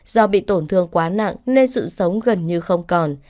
do bị tổn thương quá nặng nên sự sống gần như không còn